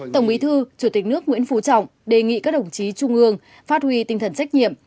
tổng bí thư chủ tịch nước nguyễn phú trọng đề nghị các đồng chí trung ương phát huy tinh thần trách nhiệm